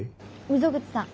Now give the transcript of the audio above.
溝口さん